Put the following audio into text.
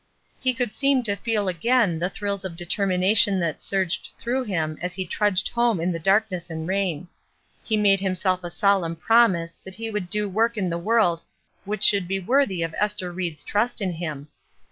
He could seem to feel again the thrills of determination that surged through him as he trudged home in the darkness and rain. He SACRIFICE 19 made himself a solemn promise that he would do work in the world which should be worthy of Ester Ried's trust in him.